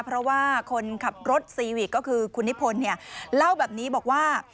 เพราะว่าคนขับรถซีวิกก็คือคุณนิพนธ์เล่าแบบนี้บอกว่า